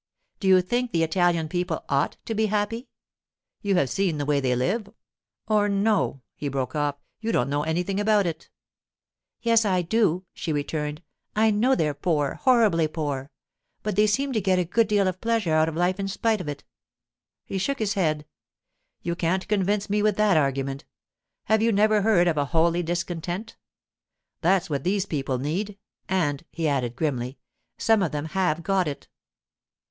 Do you think the Italian people ought to be happy? You have seen the way they live, or—no,' he broke off, 'you don't know anything about it.' 'Yes, I do,' she returned. 'I know they're poor—horribly poor—but they seem to get a good deal of pleasure out of life in spite of it.' He shook his head. 'You can't convince me with that argument. Have you never heard of a holy discontent? That's what these people need—and,' he added grimly, 'some of them have got it.